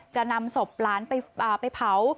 จะนำศพหลานไปเผา